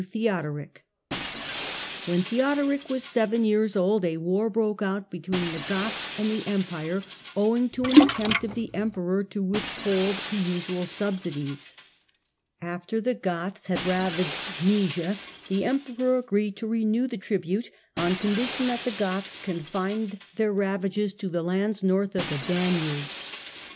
Theodoric When Theodoric was seven years old a war broke at Con ' stautinopie out between the Goths and the Empire, owing to an attempt of the Emperor to withhold the usual subsidies, 16 THE RISE OF THEODORIC 17 [After the Goths had ravaged Moesia the Emperor I agreed to renew the tribute on condition that the Goths confined their ravages to the lands north of the Danube.